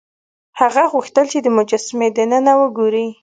هغه غوښتل چې د مجسمې دننه وګوري.